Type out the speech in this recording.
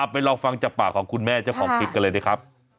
ไปลองฟังจากปากของคุณแม่เจ้าของคลิปกันเลยนะครับ